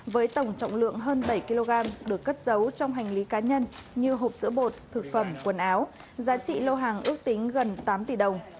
với tổng trọng lượng hơn bảy kg được cất giấu trong hành lý cá nhân như hộp sữa bột thực phẩm quần áo giá trị lô hàng ước tính gần tám tỷ đồng